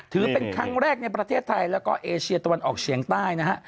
ถือเป็นครั้งแรกในประเทศไทยแล้วก็เอเชียตะวันออกเฉียงใต้นะฮะ